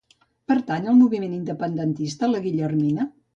Pertany al moviment independentista la Guillermina?